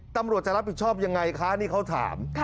ตำรวจจะรับผิดชอบยังไงคะนี่เขาถาม